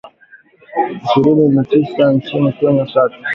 ishirini na tisa nchini Kenya, tatu